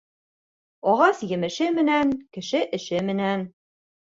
Ағас емеше менән, кеше эше менән.